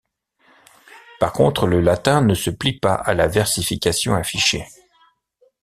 Par contre, le latin ne se plie pas à la versification affichée.